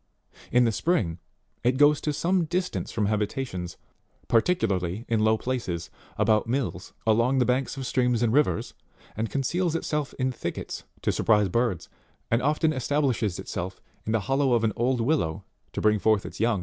In the spring, it goes to some distance from habitations, particularly into low places, about mills, along the banks of streams and rivers, and conceals itself in thickets to surprise birds, and often establishes itself in the hollow of an old willow to bring forth its young.